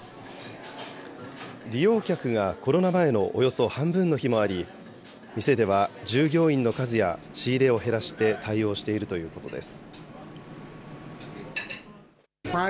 利用客がコロナ前のおよそ半分の日もあり、店では従業員の数や、仕入れを減らして対応しているということです。